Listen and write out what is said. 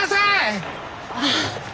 ああ。